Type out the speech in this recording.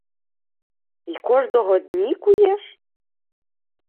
— Й кождого дні куєш?